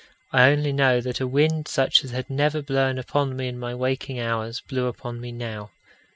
I only know that a wind such as had never blown upon me in my waking hours, blew upon me now.